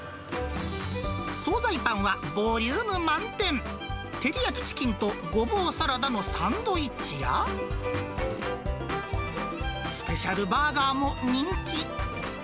総菜パンはボリューム満点、照り焼きチキンとゴボウサラダのサンドイッチや、スペシャルバーガーも人気。